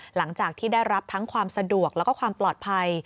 หลังจากที่ได้รับทั้งความสะดวกแล้วก็ความปลอดภัย